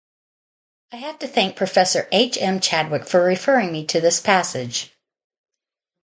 I have to thank Professor H. M. Chadwick for referring me to this passage.